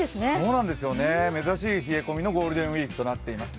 珍しい冷え込みのゴールデンウイークとなっています。